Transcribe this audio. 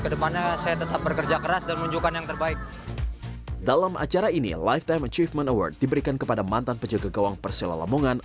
dalam acara ini lifetime achievement award diberikan kepada mantan penjaga gawang persela lamongan